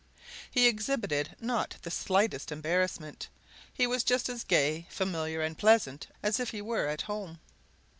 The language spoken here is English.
He exhibited not the slightest embarrassment; he was just as gay, familiar, and pleasant as if he were at home.